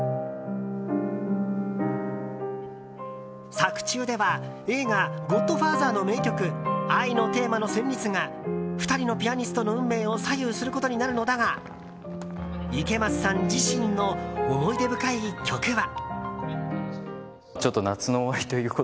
作中では映画「ゴッドファーザー」の名曲「愛のテーマ」の旋律が２人のピアニストの運命を左右することになるのだが池松さん自身の思い出深い曲は。